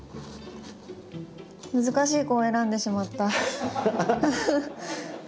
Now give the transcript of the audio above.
難しい子を選んでしまった。